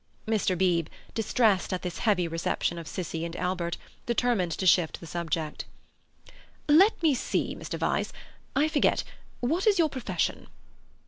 Mr. Beebe, distressed at this heavy reception of Cissie and Albert, determined to shift the subject. "Let me see, Mr. Vyse—I forget—what is your profession?"